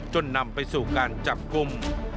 จนนำไปสู่การจับกุม